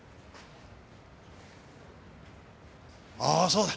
ああそうだ。